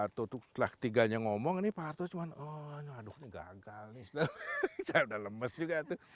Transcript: arto setelah tiganya ngomong ini pak arto cuma aduh ini gagal nih saya udah lemes juga tuh